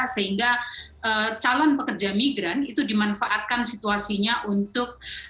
sehingga calon pekerja migran itu dimanfaatkan situasinya untuk